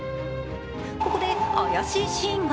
ここで怪しいシーンが！